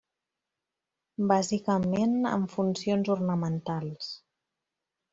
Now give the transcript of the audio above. Bàsicament amb funcions ornamentals.